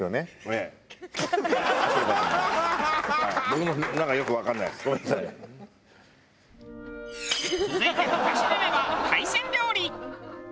続いて２品目は海鮮料理。